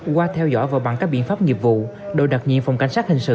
qua theo dõi và bằng các biện pháp nghiệp vụ đội đặc nhiệm phòng cảnh sát hình sự